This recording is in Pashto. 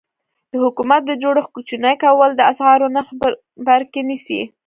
د حکومت د جوړښت کوچني کول د اسعارو نرخ بر کې نیسي.